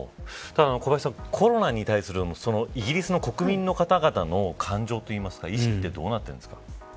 ただ小林さん、コロナに対するイギリスの国民の方々の感情というか意識ってどうなってるんですか。